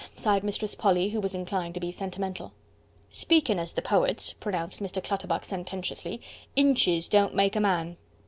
sighed Mistress Polly, who was inclined to be sentimental. "Speakin' as the poets," pronounced Mr. Clutterbuck sententiously, "inches don't make a man."